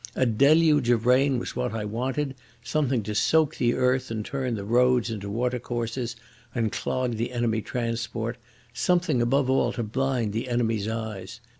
A deluge of rain was what I wanted, something to soak the earth and turn the roads into water courses and clog the enemy transport, something above all to blind the enemy's eyes....